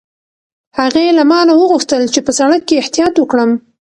هغې له ما نه وغوښتل چې په سړک کې احتیاط وکړم.